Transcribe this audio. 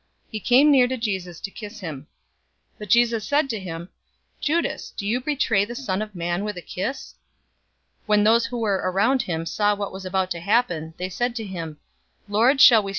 He came near to Jesus to kiss him. 022:048 But Jesus said to him, "Judas, do you betray the Son of Man with a kiss?" 022:049 When those who were around him saw what was about to happen, they said to him, "Lord, shall we strike with the sword?"